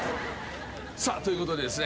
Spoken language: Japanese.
さあということでですね